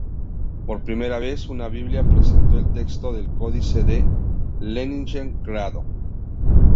Por primera vez, una biblia presentó el texto del Códice de Leningrado.